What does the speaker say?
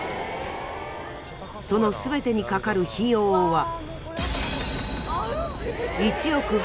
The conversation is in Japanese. その全てにかかる費用は。